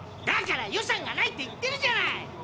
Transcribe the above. だから「予算がない」って言ってるじゃない！